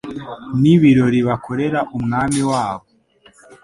n’ibirori bakorera umwami wabo